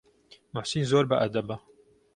موحسین زۆر بەئەدەبە.